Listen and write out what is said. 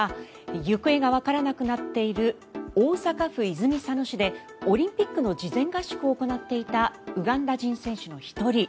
行方がわからなくなっている大阪府泉佐野市でオリンピックの事前合宿を行っていたウガンダ人選手の１人。